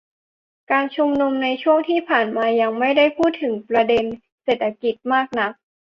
การชุมนุมในช่วงที่ผ่านมายังไม่ได้พูดถึงประเด็นเศรษฐกิจมากนัก